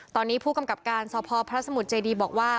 ตอนนี้ผู้กำกับการสพพระสมุทรเจดีบอกว่า